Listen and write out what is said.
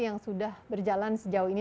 yang sudah berjalan sejauh ini